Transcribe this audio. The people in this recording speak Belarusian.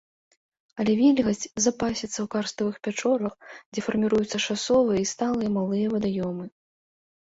Але вільгаць запасіцца ў карставых пячорах, дзе фарміруюцца часовыя і сталыя малыя вадаёмы.